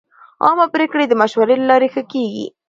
عامه پریکړې د مشورې له لارې ښه کېږي.